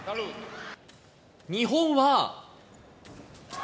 日本は。